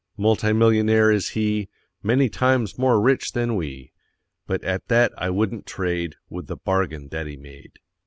Multimillionaire is he, Many times more rich than we; But at that I wouldn't trade With the bargain that he made.